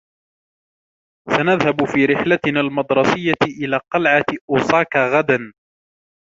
سنذهب في رحلتنا المدرسية إلى قلعة أوساكا غدًا.